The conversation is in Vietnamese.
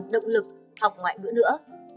tạo động lực học ngoại ngữ nữa